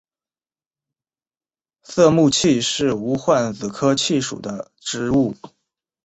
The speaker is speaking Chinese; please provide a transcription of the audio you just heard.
色木槭是无患子科槭属的植物。